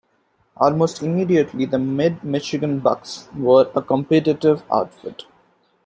Almost immediately, the Mid-Michigan Bucks were a competitive outfit.